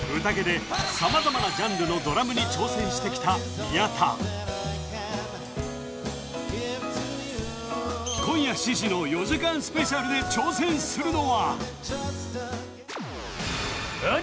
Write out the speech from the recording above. で様々なジャンルのドラムに挑戦してきた宮田今夜７時の４時間スペシャルで挑戦するのはフ！